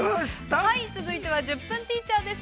続いては「１０分ティーチャー」です。